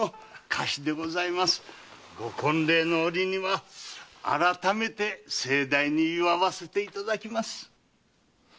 ご婚礼の折には改めて盛大に祝わせていただきます。